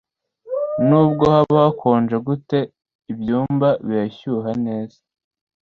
Nubwo haba hakonje gute ibyumba birashyuha neza